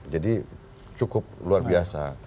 jadi cukup luar biasa